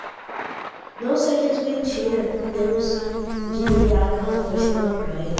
Não sejas betinha, temos de ir àquela festa na praia.